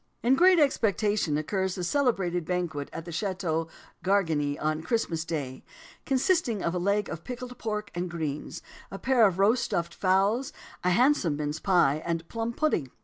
In Great Expectations occurs the celebrated banquet at the Chateau Gargery on Christmas Day, consisting of a leg of pickled pork and greens, a pair of roast stuffed fowls, a handsome mince pie, and a plum pudding.